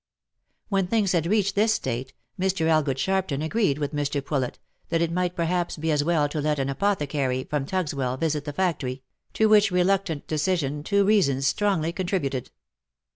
When things had reached this state, Mr. Elgood Sharpton agreed with Mr. Poulet that it might perhaps be as well to let an apothecary from Tugswell visit the factory, to which reluctant decision two reasons strongly contributed.